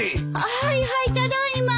はいはいただ今。